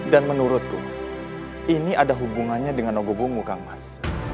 dan menurutku ini ada hubungannya dengan nogobungu kang mas